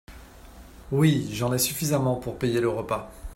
Oui, j’en ai suffisamment pour payer le repas.